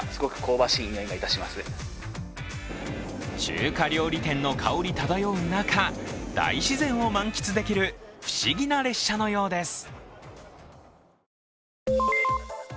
中華料理店の香り漂う中、大自然を満喫できる不思議な列車のようです。